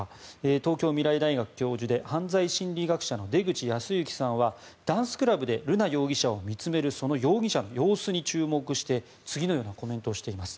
東京未来大学教授で犯罪心理学者の出口保行さんはダンスクラブで瑠奈容疑者を見つめる容疑者の様子に注目して次のようなコメントをしています。